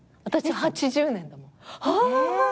私８０年だもん。